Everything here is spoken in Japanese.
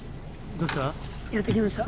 どうした？